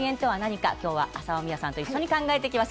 今日は浅尾美和さんと一緒に考えていきます。